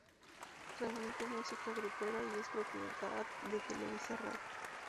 Transmite música grupera y es Propiedad de Televisa Radio.